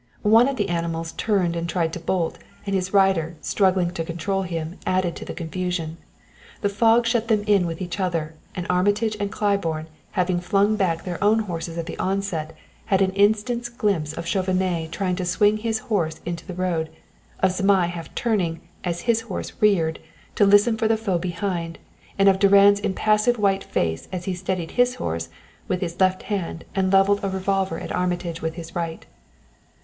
One of the animals turned and tried to bolt, and his rider, struggling to control him, added to the confusion. The fog shut them in with each other; and Armitage and Claiborne, having flung back their own horses at the onset, had an instant's glimpse of Chauvenet trying to swing his horse into the road; of Zmai half turning, as his horse reared, to listen for the foe behind; and of Durand's impassive white face as he steadied his horse with his left hand and leveled a revolver at Armitage with his right.